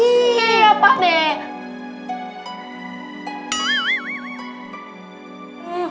iya pak deh